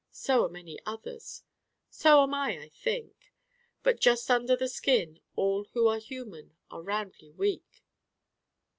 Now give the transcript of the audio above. So are many others. So am I, I think. But just under the skin all who are human are roundly weak.